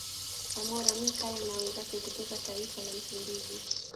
Samora Michaeli na wenzake kutoka taifa la Msumbiji